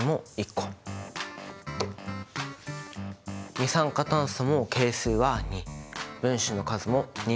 二酸化炭素の係数は２分子の数も２。